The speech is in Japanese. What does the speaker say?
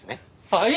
はい！？